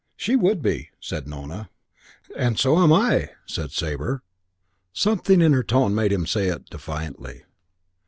"She would be," said Nona. "And so am I!" said Sabre. Something in her tone made him say it defiantly.